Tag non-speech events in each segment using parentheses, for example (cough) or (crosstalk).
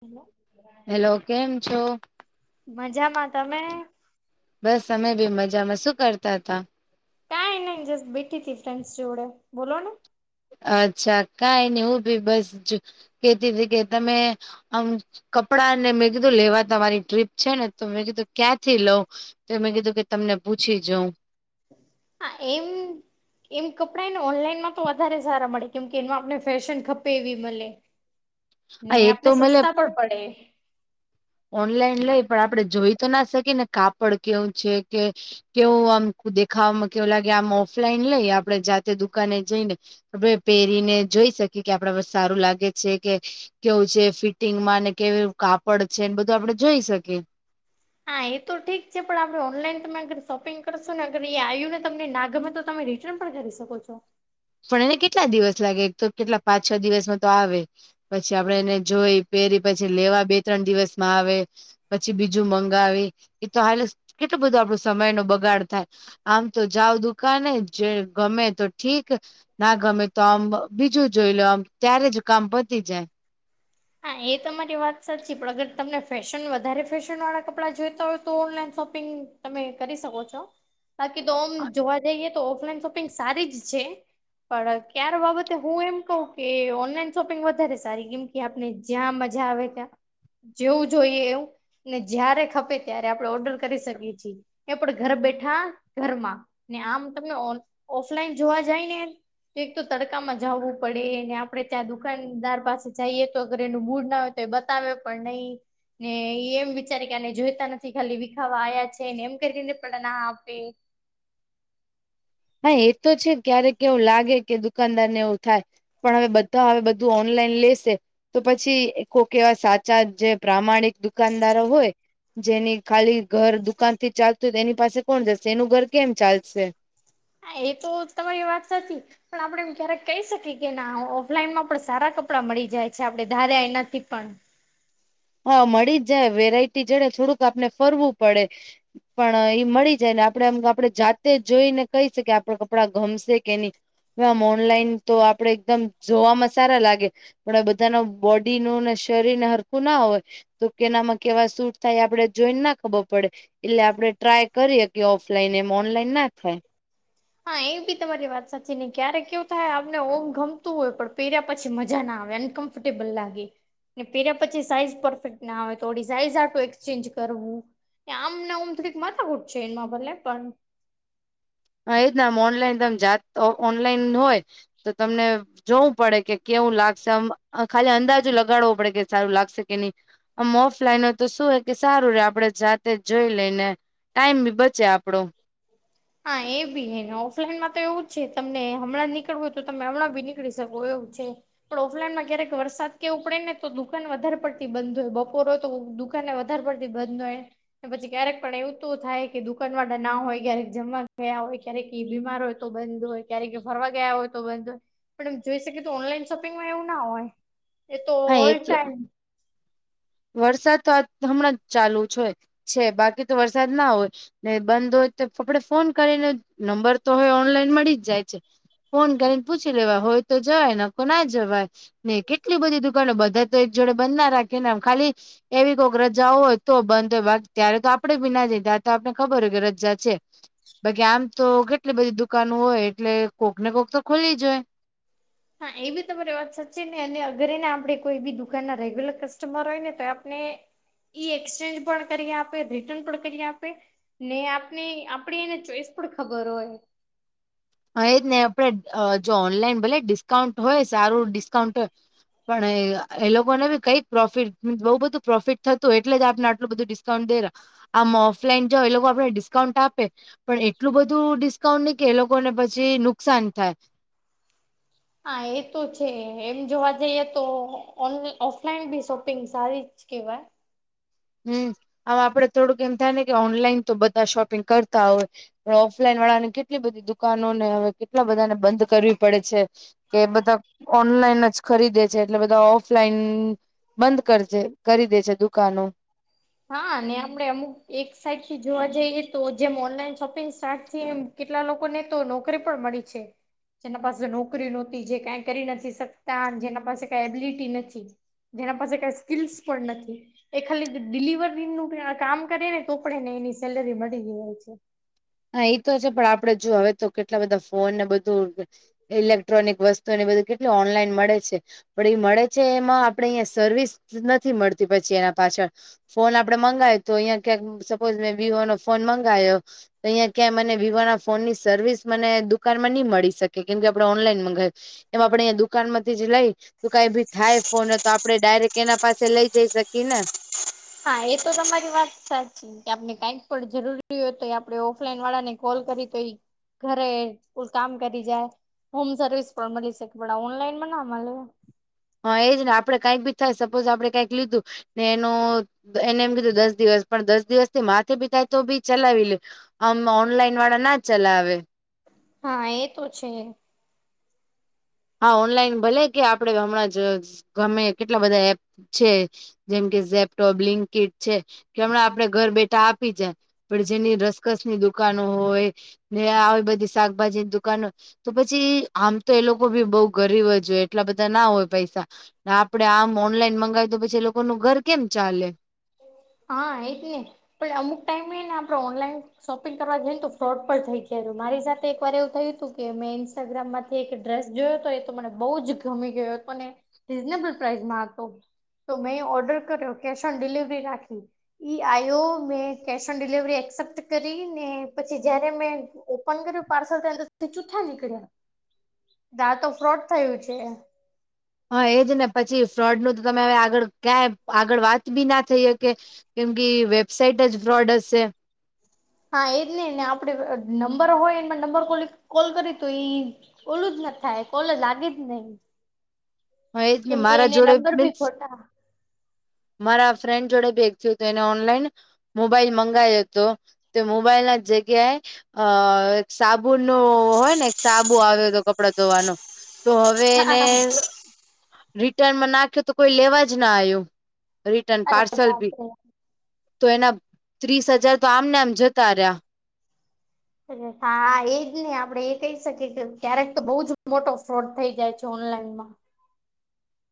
Hello hello, કેમ છો? મજામાં, તમે? બસ અમેબી મજામાં, શું કરતા હતા? કાઈનઇ, જસ્ટ બેઠી તી ફ્રેન્ડ્સ જોડે, બોલો ને. અચ્છા કાઈ નઈ, હું ભી બસ જો કેતી કે તમે. આમ કપડા ને મેં કીધું લેવા તામારી ટ્રીપ છે ને, તો મેં કીધું ક્યાંથી લઉં? તો મેં કીધું કે તમને પૂછી જોઉ હા એમ એમ કપડાં એને ઓનલાઈનમાં તો વધારે સારા મળે કેમ કે એમાં આપને ફેશન ખપે એવી મલે હા એ તો મલે પણ પડે ઓનલાઈન લઈ પણ આપડે જોઈ તો ના શકીએ ને કાપડ કેવું છે, કે કેવું આમ દેખાવામાં કેવું લાગે આમ ઓફલાઈન લઈ આપડે જાતે દુકાને જઈને આપડે પહેરીને જોઈ શકીએ કે આપણા પર સારું લાગે છે, કે કેવું છે, ફિટિંગમાંને કેવું કાપડ છે, એને બધું આપડે જોઈ શકીએ હા એ તો ઠીક છે, પણ આપણે ઓનલાઈન તમે અગર શોપિંગ કરશું ને અગર એ આયું ને તમને ના ગમે તો તમે રીટન પણ કરી શકો છો. પણ એને કેટલા દિવસ લાગે તો કેટલા પાંચ છ દિવસમાં તો આવે પછી આપડે એને જોઈ પહેરી પછી લેવા બે ત્રણ દિવસમાં આવે પછી બીજું મંગાવી એ તો હાલે કેટલો બધું આપણો સમયનો બગાડ થાય આમ તો જાવ દુકને જે ગમે તો ઠી ક ના ગમે તો આમ બીજું જોઈ લો આમ ત્યારે જ કામ પતી જાય હા એ તમારી વાત સાચી પણ અગર તમને ફેશન વધારે ફેશન વાળા કપડાં જોઈતા હોય તો ઓનલાઈન શોપિંગ તમે કરી શકો છો હ (inaudible) બાકી તો ઓમ જોવા જઈએ તો ઓફલાઈન શોપિંગ સારી જ છે. પણ ક્યાર બાબતે હું એમ કહું કે ઓનલાઈન શોપિંગ વધારે સારી કેમ કે આપને જ્યાં મજા આવે ત્યાં જેવું જોઈએ એવું ને જયારે ખપે ત્યારે આપણે ઓર્ડર કરી શકીએ છે. એ પણ ઘર બેઠા ઘરમાં ને આમ તમને ઓન ઓફલાઈન જોવા જાય ને એક તો તડકામાં જાવું પડે અને આપડે ત્યાં દુકાનદાર પાસે જાએ તો અગર એનું મૂડ ના હોય તો એ બતાવે પણ નહી. ને એમ વિચારી કેને જોઈતા નથી ખાલી વિખાવા આયા છે, ને એમ કરી ને પણ ના આપે હા એ તો છે, ક્યારેક એવું લાગે કે દુકાનદાર ને એવું થાય પણ હવે બધા હવે બધું ઓનલાઈન લેશે તો પછી કોક એવા સાચા જે પ્રામાણિક દુકાનદારો હોય જેની ખાલી ઘર દુકાનથી ચાલતું એની પાસે કોણ જશે એનું ઘર કેમ ચાલશે હા એ તો તમારી વાત સાચી પણ આપણેે એમ ક્યારેક કહી શકીએ કે ના ઓફલાઈનમાં પણ સારા કપડાં મળી જાય છે, આપડે ધાર્યા એનાથી પણ હ મળી જ જાય વેરાયટી જડે થોડુંક આપને ફરવું પડે પણ એ મળી જાય ને આપડે એમ આપણે જાતે જોઈને કઈ શકી આપણા કપડાં ગમશે કે ની આમ ઓનલાઈન તો આપડે એકદમ જોવામાં સારા લાગે પણ બધા ન બોડી નું ને શરીર ને હરખું ના હોય તો કેનામાં કેવા સૂટ થાય આપડે જોઈને ના ખબર પડે એટલે આપડે ટ્રાય કરીએ કે ઓફલાઈન એમ ઓનલાઈન ના થાય હા એ બી તમારી વાત સાચી ને ક્યારે કેવું થાય આપને ઓમ ગમતું હોય પણ પહેર્યા પછી મજા ના આવે અન્ક ફર્ટેબલ લાગે. ને પેર્યા પછી સાઈઝ પરફેક્ટના આવે થોડી સાઈઝ આખૂ એક્સચેન્જ કરવું એ આમને ઉમ તો કઈક માથકૂટ છે, એમાં ભલે પણ હા એજ ના આમ ઓનલાઈન તમ જાત ઓનલાઈન હોય તો તમને જોવું પડે કે કેવું લાગશે અમ ખાલી અંદાજો લગાડવો પડે કે સારું લાગશે કે ની ઓમ ઓફલાઈન હોય તો શું હે કે સારું રે આપડે જાતે જોઈ લઈને ટાઈમ બી બચે આપડો હા એ બી હે ઓફલાઈનમાં તો એવું જ છે, તમને હમણાં નીકળવુ હોય તો તમે હમણાં બી નીકળી શકો એવું છે. પણ ઓફલાઈનમાં ક્યારેક વરસાદ કેવું પડે ને તો દુકાન વધારે પડતી બંધ હોય બપોરે હોય તો દુ કાને વધારે પડતી બંધ હોય પછી ક્યારેક પણ એવું તો થાય કે દુકાન વાળાના હોય ક્યારેક જમવા ગયા હોય ક્યારેક ઈ બીમાર હોય તો બંધ હોય ક્યારેક ફરવા ગયા હોય તો બંધ પણ એમ જોઈ શકી તો ઓનલાઈન શોપિંગમાં એવું ના હોય એ તો હા એ ઓલ તો ટાઈમ વરસાદ તો આ હમણાં જ ચાલુ છે છે બાકી તો વરસાદ ના હોય ને બંધ હોય તો આપડે ફોન કરીને નંબર તો હવે ઓનલાઈન મળી જ જાય છે. ફોન કરીને પૂછી લેવા હોય તો જવાય નકો ના જવાય. ને કેટલી બધી દુકાનો બધા તો એક જોડે બંધ ના રાખેને એમ ખાલી એવી કોઈક રજા હોય તો બંધ હોય બાકી ત્યારે તો આપડે બી ના જઈ ત્યારતો આપને ખબર હોય કે રજા છે. બાકી આમ તો કેટલી બધી દુકાનો હોય એટલે કોક ને કોક તો ખુલી જ હોય. હા એ બી તમારી વાત સાચી છે ને અને અગરેને આપડે કોઈ બી દુકાન ના રેગ્યુલર કસ્ટમર હોય ને તો આપને ઈ એક્સચેન્જ પણ કરી આપે રિટર્ન પણ કરી આપે ને આપની આપડી એને ચોઈસ પણ ખબર હોય હા એજ નહી આપડે જો ઓનલાઈન ભલે ડિસ્કાઉન્ટ હોય સારું ડિસ્કાઉન્ટ પણ એ લોકો ને બી કઈક પ્રોફિટ બહુ બધું પ્રોફિટ થતું એટલે જ આપને આટલું બધું ડિસ સોન્દેર આમ ઓફલાઈન જો એ લોકો આપડે ડિસ્કાઉન્ટ આપે પણ એટલું બધું ડિસ્કાઉન્ટ નહી કે એ લોકોને પછી નુકસાન થાય. હા એ તો છે એમ જોવા જઈએ તો ઓફલાઈન બી શોપિંગ સારી કેવાય હમ્મ હવે આપડે થોડુંક એમ થાય ને કે ઓનલાઈન તો બધા શોપિંગ કરતા હોય. પણ ઓફલાઈન વાળાની કેટલી બધી દુકાનો ને હવે એટલા બધાને બંધ કરવી પડે છે કે બધા ઓનલાઈન જ ખરીદે એટલે બધા ઓફલાઈન બંધ કરજે કરી દે છે દુકાનો. હા આપડે અમુક એક સાઈડ થી જોવા જઈએ તો જેમ ઓનલાઈન શોપિંગ સ્ટાર્ટ છે એમ કેટલા લોકોને તો નોકરી પણ મળી છે. જેના પાસે નોકરી નહોતી જે કાઈ કરી નથી શકતા જેના પાસે કઈ એબિલિટી નથી. જેના પાસે કઈ સ્કીલ્સ પણ નથી. એ ખાલી ડિલિવરી નું કામ કરે ને તો પણ એને એની સેલરી મળી જ છે. હા એ તો છે, પણ આપડે જો હવે તો કેટલા બધા ફોન ને બધું ઇલેક્ટ્રોનિક વસ્તુઓને બધું કેટલી ઓનલાઈન મળે છે. પણ એ મળે છે, એમાં આપણેે અહીંયા સર્વિસ નથી મળતી પછી એના પાછળ ફોન આપડે મંગાવે તો અહીંયા ક્યાંક સપોઝ મેં વિવો નો ફોન મંગાયો તો અહીં ક્યાં મને વિવો ના ફોન ની સર્વિસ મને દુકાનમાં નહી મળી શકે કેમ કે આપડે ઓનલાઈન મગાવ એમ આપડે દુ દુકાનમાંથી જો લઈ તો કઈ ભી થાય ફોન તો આપડે ડાયરેક્ટ એના પાસે લઈ જઈ શકીએ ને. હા એ તો તમારી વાત સાચી છે. કે આપને કઈક પણ જરૂરી હો તો આપણે ઓફલાઈન વાળા ને કોલ કરી તો ઘરે કો કામ કરી જાય હોમ સર્વિસ પણ મળી શકે પણ ઓનલાઈ ના મળે હા એજ ને આપે કઈક બી થાય સપોઝ આપડે કઈક લીધું ને એનું એને એમ કીધું દસ દિવસ પણ દસ દિવસ થી માથે બી થાય તો બી ચલાવી લે આમ ઓનલાઈન વાળા ના ચલાવે હા એ તો છે. હા ઓનલાઈન ભલે કે આપડે હમણાં જ ગમે કેટલા બધા એપ છે. જેમ કે ઝેપટો બ્લીનકીટ છે, કે હમણાં આપડે ઘર બેઠા આપી જા પણ જેની રસકસની દુકાનો હોય ને આવી બધી શાકભાજીની દુકાનો તો પછી આમ તો એ લોક લોકો બી બઉ ગરીબ જ હોય એટલા બધા ના હોય પૈસા ને આપડે આમ ઓનલાઈન મંગાવી તો પછી લોકો નું ઘર કેમ ચાલે હા એજ ને પણ અમુક ટાઈમ હો ને આપડ ઓનલાઈન શોપિંગ કરવા જઈ ને તો ફ્રોડ પણ થઈ ગાયું મારી સાથે એક વાર એવું થયું હતું કે મે ઇન્સ્ટાગ્રામ માંથી એક ડ્રેસ જોયો હતો એ તો મને બહુ જ ગમી ગયો હતો ને. રીઝનેબલ પ્રાઇસમાં હતો, તો મેં ઓર્ડર કર્યો કેશ ઓન ડિલિવરી રાખી. ઈ આવ્યો મેં કેશ ઓન ડિલિવરી એક્સેપ્ટ કરી ને પછી જયારે મેં. ઓપન કર્યું પાર્સલ ચૂઠા નીકળ્યા દાંઅ ફ્રોડ થયું છે. હા એજ ને પછી ફ્રોડ નું તો તમે હવે આગળ ક્યાંય આગળ વાત બી ના થઈ હ કે કેમ કે વેબસાઇટ જ ફ્રોડ હશે. હા એજ નહી ને આપડણે નંબર હોય એમાં નંબર કોલ કરી તો એ ઓલું જ ના થાય કોલે લાગે જ નહી. હ એજ ને કેમ મારા એને જોડે લંગર ભી મીન્સ ખોટા. મારા ફ્રેન્ડ જોડે ભી એક થયું હતું એને ઓનલાઈન મોબાઈલ મંગાયો હતો. તો મોબાઈલ ના જ જગ્યાએ. અ એક સાબુ ન હોય ને એક સાબુ આવ્યો હતો કપડા ધોવાનો. તો હવે એને અરે રિટર્નમાં નાખ્યો તો કોઈ લેવા જ ના આયો. રિટર્ન પાર્સલ ભી બાપરે તો એના ત્રીસ હજાર તો આમને આમ જતા રહ્યા. હા એજ ને આપડે એ કહી શકીએ કે ક્યારેક તો બહુ જ મોટો ફ્રોડ થઈ જાય છે, ઓનલાઈનમાં.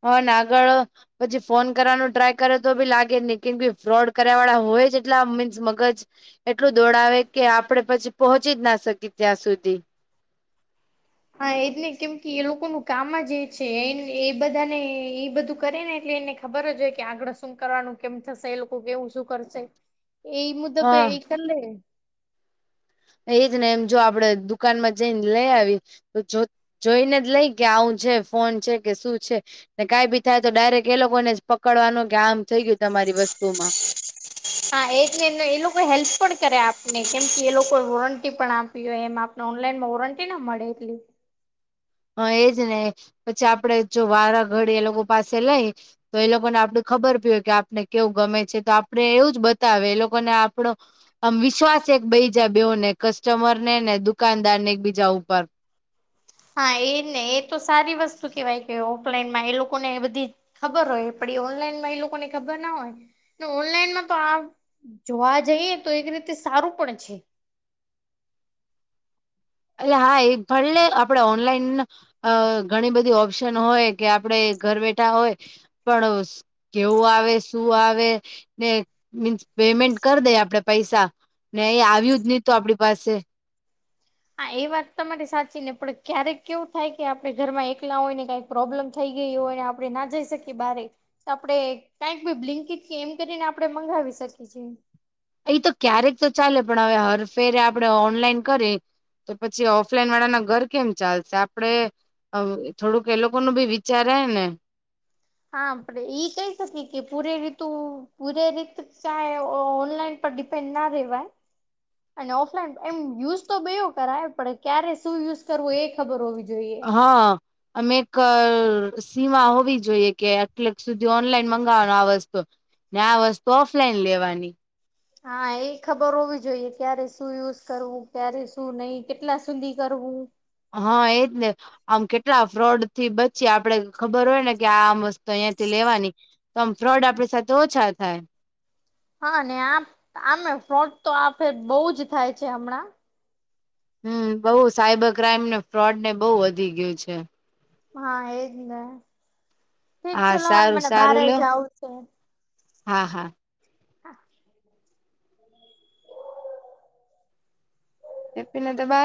હવે નાગળ. પછી ફોન કરવાનું ટ્રાય કરે તો ભી લાગે જ નહી કેમ કે ફ્રોડ કર્યા વાળા હોય જ એટલા મીન્સ મગજ. એટલું દોડાવે કે આપડે પછી પહોંચી જ ના શકીએ ત્યાં સુધી. હા એજ ને કેમ કે એ લોકોનું કામ જ એ છે, એ એ બધા ને એ બધું કરે ને એટલે એને ખબર જ હોય કે આગળ શુંમ કરવાનું કેમ થશે એ લોકો કેવું શું કરશે. (inaudible) એ મુદ પે હા એ કલે. એજ ને એમ જો આપડે દુકાનમાં જઈને લઈ આવી તો જો જોઈને જ લઈ કે આવું છે, ફોન છે, કે શું છે? ને કઈ ભી થાય તો ડાયરેક્ટ એ લોકો ને જ પકડવાનું કે આમ થઈ ગયું તમારી વસ્તુ માં. હા એ એ લોકો હેલ્પ પણ કરે આપને કેમ કે એ લોકો વોરંટી પણ આપી હોય એમ ઓનલાઈન વરંન્ટટી નામ મળેરલી. હ એજ ને પછી આપડે જો વારા ઘડી એ લોકો પાસે લઈ. તો એ લોકોને આપડ ખબર પી હોય કે આપને કેવું ગમે છે તો આપણે એવું જ બતાવે એ લોકોને આપણો. આમ વિશ્વાસ છે એક બીજા બેને. કસ્ટમર ને ને દુકાનદાર ને એક બીજા ઉપર. હા! એ ને, એ તો સારી વસ્તુ કેવાય. કે ઓફલાઈનમાં એ લોકો ને બધી. ખબર હોય. પણ એ ઓનલાઈનમાં એ લોકોને ખબર ના હોય ને. ઓનલાઈનમાં તો આ. જોવા જઈએ તો, એક રીતે સારું પણ છે. એટલે હા, એ ભડલે આપડે ઓનલાઈન. અ ઘણી બધી ઓપ્શન હોય, કે આપડે ઘર બેઠા હોય પણ. કેવું આવે? શું આવે? ને મીન્સ પેમેન્ટ કરી દે આપડે પૈસા. નને આવ્યું જ નહી તો આપણી પાસે. હા! એ વાત તમારી સાચી ને પણ ક્યારેક કેવું થાય, કે આપણે ઘરમાં એકલા હોય ને કાઈ. પ્રોબ્લેમ થઈ ગયો હોય ને, આપણે ના જઈ શકીએ બારે. આપડણે કઈક ભી બ્લિંકટ કે એમ કરીને આપડણે મંગાવી શકીએ છીએ. એ તો ક્યારેક તો ચાલે. પણ હવે હરફેરે આપણે ઓનલાઈન કરે. તો પછી ઓફલાઈન વાળા ના ઘર કેમ ચાલશે? આપડે. થોડુંક એ લોકો ન ભી વિચાર આવે ને. હા! આપડે ઈ કહી શકીએ. કે પૂરે રીતુ પૂરે રીત ચાહે ઓનલાઈન. પર ડિપેન્ડ ના રહેવાય. અને ઓફલાઈન એમ યુઝ તો બયો કરાય. પણ ક્યારે શું યુઝ કરવું? એ ખબર હોવી જોઈએ. હા! અમે એક સીમા હોવી જોઈએ, કે આટલેક સુધી ઓનલાઈન મંગાવવાનો આ વસ્તુ. ને આ વસ્તુ ઓફલાઈન લેવાની. હા! એ ખબર હોવી જોઈએ. ક્યારે શું યુઝ કરવું? ક્યારે શું નહી? કેટલા સુધી કરવું? હા એજ ને. આમ કેટલા ફ્રોડ થી બચી આપણે ખબર હોય ને કે આમ વસ્તુ અહિયાંથી લેવાની. તો આમ ફ્રોડ આપણી સાથે ઓછા થાય. હા આ આમે ફ્રોડ તો આ ફે બહુ જ થાય છે હમણાં. હમ બહું સાઈબર ક્રાઈમ ને ફ્રોડ ને બહુ વધી ગયું છે. હા એજ ને ઠીક હા છે લો હવે સારું મને બારે સારું લ્યો જાવું છે. હા, હા. હા. (unintelligible)